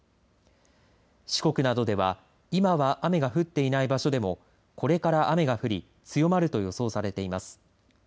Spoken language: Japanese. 四国などでは今は雨が降っていない場所でもこれから雨が降り強まると予想されています。